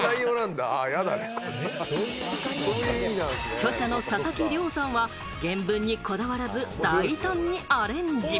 著者の佐々木良さんは原文にこだわらず、大胆にアレンジ。